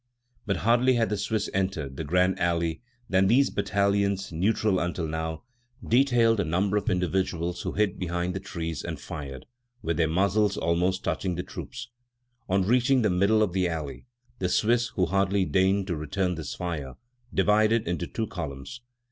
But hardly had the Swiss entered the grand alley than these battalions, neutral until now, detailed a number of individuals who hid behind the trees, and fired, with their muzzles almost touching the troops. On reaching the middle of the alley, the Swiss, who hardly deigned to return this fire, divided into two columns.